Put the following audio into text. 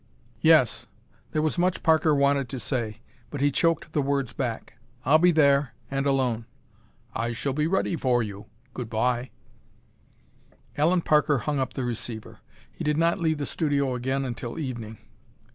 "Yes." There was much Parker wanted to say, but he choked the words back. "I'll be there, and alone." "I shall be ready for you. Good by." Allen Parker hung up the receiver. He did not leave the studio again until evening.